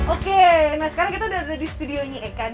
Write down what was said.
oke sekarang kita sudah di studio eka